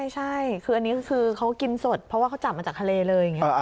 ใช่อันนี้คือเขากินสดเพราะว่าเขาจับมาจากทะเลเลย